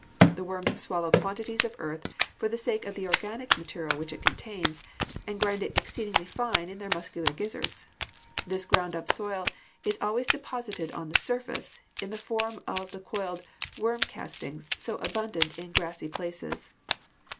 The worms swallow quantities of earth for the sake of the organic matter which it contains and grind it exceedingly fine in their muscular gizzards. This ground up soil is always deposited on the surface, in the form of the coiled "worm castings" so abundant in grassy places.